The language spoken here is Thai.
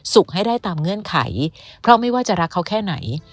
ให้ได้ตามเงื่อนไขเพราะไม่ว่าจะรักเขาแค่ไหน